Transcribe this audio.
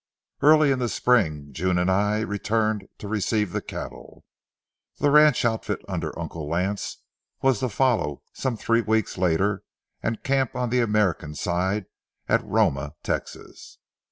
Early in the spring June and I returned to receive the cattle. The ranch outfit under Uncle Lance was to follow some three weeks later and camp on the American side at Roma, Texas.